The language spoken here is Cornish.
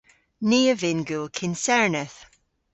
Ni a vynn gul kynserneth.